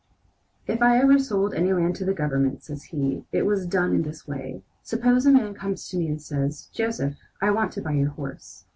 "If I ever sold any land to the Government," says he, "it was done in this way: Suppose a man comes to me and says: 'Joseph, I want to buy your horse.'